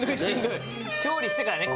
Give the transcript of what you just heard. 調理してからね。